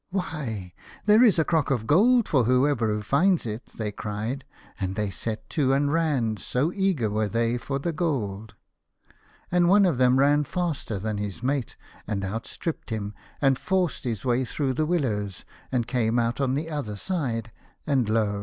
" Why ! there is a crock of gold for whoever finds it," they cried, and they set to and ran, so eager were they for the gold. And one of them ran faster than his mate, and outstripped him, and forced his way through the willows, and came out on the i3 2 The Star Child. other side, and lo